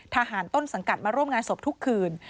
ทหารต้นสังกัดมาร่วมงานศพทุกคืน